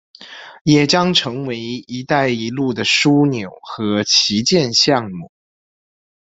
也将成为一带一路的枢纽和旗舰项目。